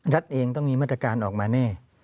รัฐเองต้องมีมาตรการออกมาแน่